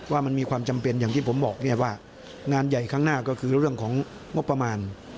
ว่ามันมีความจำเป็นอย่างที่ผมบอกว่างานใหญ่ข้างหน้าก็คือเรื่องของงบประมาณ